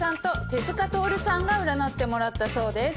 手塚とおるさんが占ってもらったそうです。